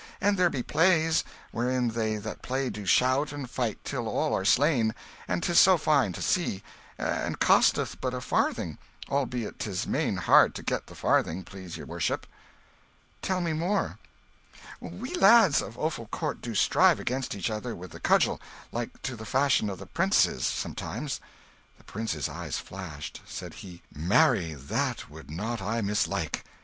and there be plays wherein they that play do shout and fight till all are slain, and 'tis so fine to see, and costeth but a farthing albeit 'tis main hard to get the farthing, please your worship." "Tell me more." "We lads of Offal Court do strive against each other with the cudgel, like to the fashion of the 'prentices, sometimes." The prince's eyes flashed. Said he "Marry, that would not I mislike.